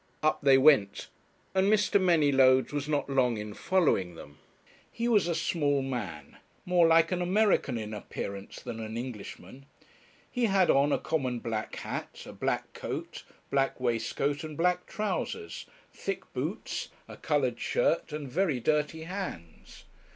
Up they went, and Mr. Manylodes was not long in following them. He was a small man, more like an American in appearance than an Englishman. He had on a common black hat, a black coat, black waistcoat, and black trousers, thick boots, a coloured shirt, and very dirty hands.